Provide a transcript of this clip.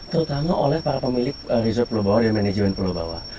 terutama oleh para pemilik reserve global dan manajemen pulau bawah